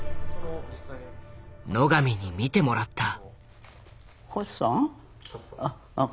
野上に見てもらった。